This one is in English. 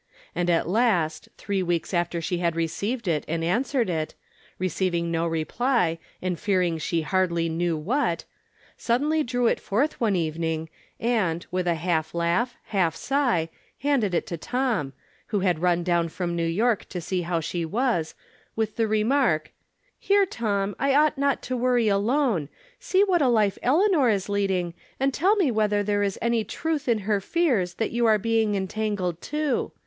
And at last, three weeks after she had received it and answered it, receiv ing no reply, and fearing she hardly knew what, suddenly drew it forth one evening, and, with a half laugh, half sigh, handed it to Tom, who had run down from New York to see how she was, with the remark :" Here, Tom, I ought not to worry alone. See what a life Eleanor is leading, and tell me whether there is any truth in her fears that you are being entangled, too.